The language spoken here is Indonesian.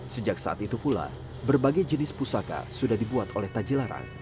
sejak saat itu pula berbagai jenis pusaka sudah dibuat oleh tajilarang